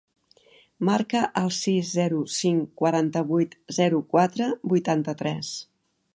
Marca el sis, zero, cinc, quaranta-vuit, zero, quatre, vuitanta-tres.